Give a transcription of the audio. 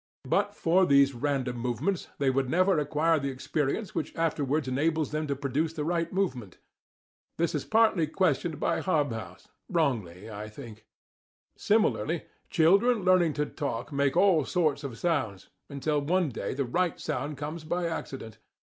But for these random movements, they would never acquire the experience which afterwards enables them to produce the right movement. (This is partly questioned by Hobhouse* wrongly, I think.) Similarly, children learning to talk make all sorts of sounds, until one day the right sound comes by accident.